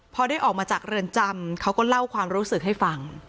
พอได้ออกมาจากเรือนจำเขาก็เล่าความรู้สึกให้ฟัง